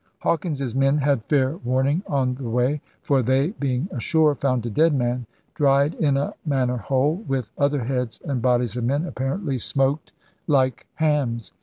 Hawkins's men had fair warning on the way; for 'they, being ashore, found a dead man, dried in a manner whole, with other heads and bodies of men, ' apparently smoked .6 82 ELIZABETHAN SEA DOGS like hams.